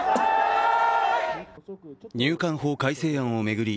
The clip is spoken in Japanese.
入管法改正案を巡り